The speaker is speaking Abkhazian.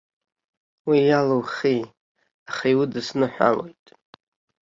Уи иалоухи, аха иудысныҳәалоит!